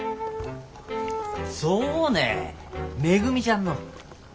そうねめぐみちゃんの。